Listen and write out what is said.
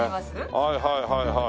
はいはいはいはい。